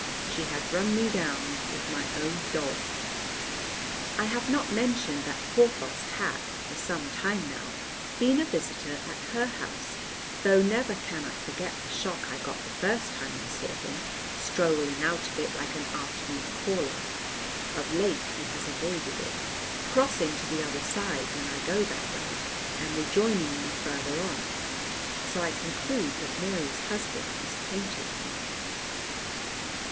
She had run me down with my own dog. I have not mentioned that Porthos had for some time now been a visitor at her house, though never can I forget the shock I got the first time I saw him strolling out of it like an afternoon caller. Of late he has avoided it, crossing to the other side when I go that way, and rejoining me farther on, so I conclude that Mary's husband is painting him.